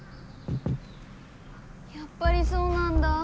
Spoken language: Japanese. やっぱりそうなんだ。